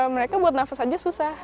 mereka buat nafas aja susah